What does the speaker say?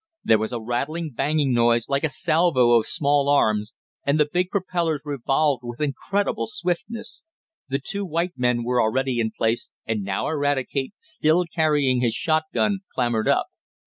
There was a rattling, banging noise, like a salvo of small arms, and the big propellers revolved with incredible swiftness. The two white men were already in place, and now Eradicate, still carrying his shotgun, clambered up.